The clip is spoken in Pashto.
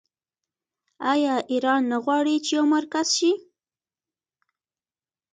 آیا ایران نه غواړي چې یو مرکز شي؟